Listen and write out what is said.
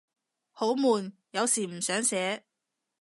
好悶，有時唔想寫